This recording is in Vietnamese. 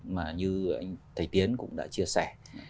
mà như thầy tiến cũng đã chia sẻ